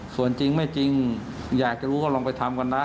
ส่วนจริงไม่จริงอยากจะรู้ก็ลองไปทำกันนะ